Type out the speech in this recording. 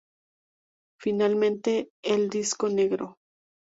Finalmente el disco negro.